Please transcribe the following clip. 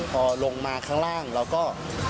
พอลงมาข้างล่างเราก็